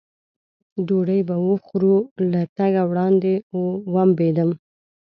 ډوډۍ به وخورو، له تګه وړاندې ومبېدم.